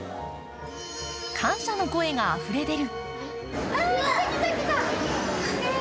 感謝の声があふれ出る。